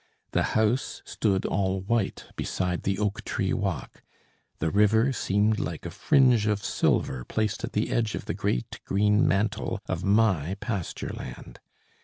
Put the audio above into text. The house stood all white beside the oak tree walk; the river seemed like a fringe of silver placed at the edge of the great green mantle of my pasture land.